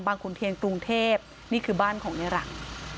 บรรคุณเทียนกรุงเทพดิ์นี่คือบ้านของเนรัง